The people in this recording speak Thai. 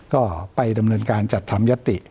ก็ไปดำเนินการจัดทำยติ